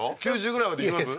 ９０ぐらいまでいきます？